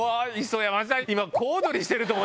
今。